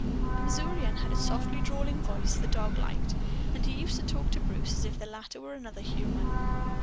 The Missourian had a drawlingly soft voice the dog liked, and he used to talk to Bruce as if the latter were another human.